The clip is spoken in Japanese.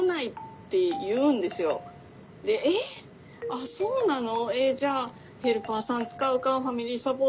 あっそうなの？